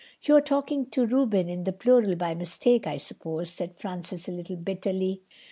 "You're talking to Reuben, in the plural, by mistake, I suppose," said Francis, a little bitterly.